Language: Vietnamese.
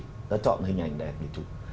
người ta chọn hình ảnh đẹp để chụp